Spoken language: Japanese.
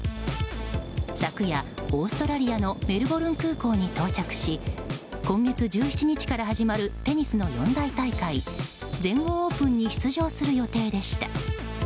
昨夜、オーストラリアのメルボルン空港に到着し今月１７日から始まるテニスの四大大会全豪オープンに出場する予定でした。